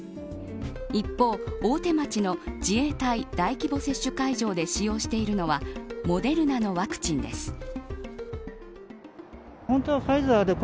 一方、大手町の自衛隊大規模接種会場で使用しているのはモデルナのワクチンです。